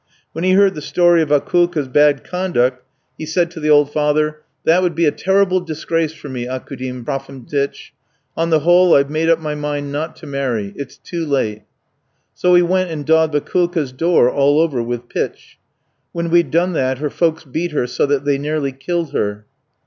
When he heard the story of Akoulka's bad conduct, he said to the old father, 'That would be a terrible disgrace for me, Aukoudim Trophimtych; on the whole, I've made up my mind not to marry; it's to late.' "So we went and daubed Akoulka's door all over with pitch. When we'd done that her folks beat her so that they nearly killed her.